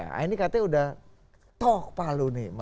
nah ini katanya udah toh palu nih